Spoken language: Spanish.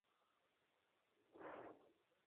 Será jugado por el primer clasificado de cada grupo.